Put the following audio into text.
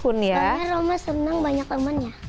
sekarangnya roma senang banyak temennya